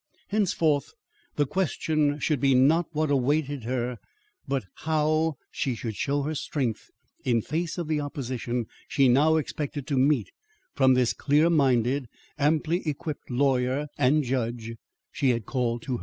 Henceforth, the question should be not what awaited her, but how she should show her strength in face of the opposition she now expected to meet from this clear minded, amply equipped lawyer and judge she had called to her aid.